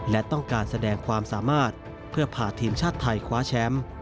และต้องการแสดงความสามารถเพื่อพาทีมชาติไทยคว้าแชมป์